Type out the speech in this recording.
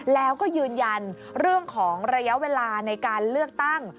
แล้วก็ยืนยันเรื่องของระยะเวลาในการเลือกตั้ง